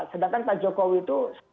sedangkan pak jokowi itu